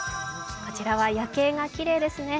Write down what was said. こちらは夜景がきれいですね。